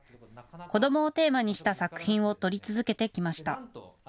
子どもをテーマにした作品を撮り続けてきました。